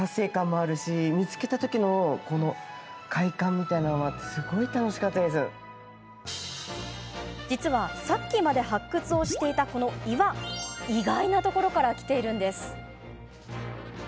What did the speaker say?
本当に、なんかこうすごい実は、さっきまで発掘をしていた、この岩意外なところから来ているんです。